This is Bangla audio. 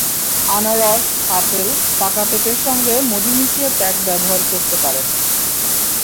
আনারস, আপেল, পাকা পেঁপের সঙ্গে মধু মিশিয়ে প্যাক ব্যবহার করতে পারেন।